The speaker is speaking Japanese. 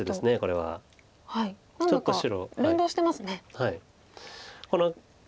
はい。